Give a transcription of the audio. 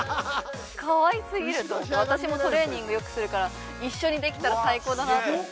かわいすぎると思って私もトレーニングよくするから一緒にできたら最高だなと思って。